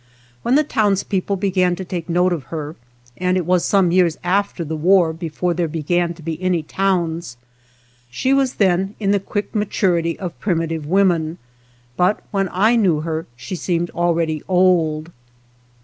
When the towns people began to take note of her — and it was some years after the war before there began to be any towns — she was then in the quick maturity of primitive women ; but when I knew her she seemed already old.